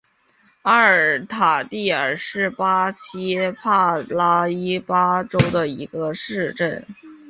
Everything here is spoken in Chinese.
阿尔坎蒂尔是巴西帕拉伊巴州的一个市镇。